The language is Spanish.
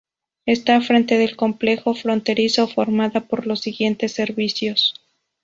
Está frente del complejo fronterizo formada por los siguientes servicios.